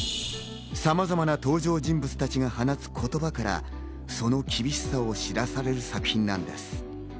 さまざまな登場人物たちが話す言葉からその厳しさを知らされる作品なのです。